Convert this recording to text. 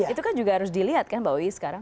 itu kan juga harus dilihat kan mbak wiwi sekarang